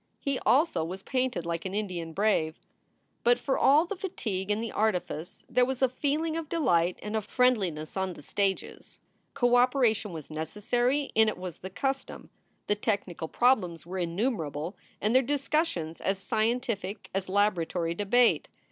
He also was painted like an Indian brave. But for all the fatigue and the artifice, there was a feeling of delight and of friendliness on the stages. Co operation was necessary and it was the custom. The technical prob lems were innumerable and their discussions as scientific as laboratory debate.